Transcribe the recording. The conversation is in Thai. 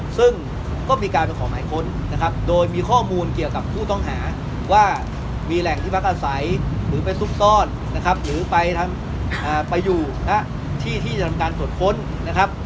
ซึ่งก็มีการไปขอหมายค้นนะครับโดยมีข้อมูลเกี่ยวกับผู้ต้องหาว่ามีแหล่งที่พักอาศัยหรือไปซุกซ่อนนะครับหรือไปอยู่ณที่ที่จะทำการตรวจค้นนะครับ